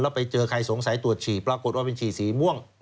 แล้วไปเจอใครสงสัยตรวจฉี่ปรากฏว่าเป็นฉี่สีม่วง